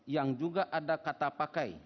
yang juga ada kata pakai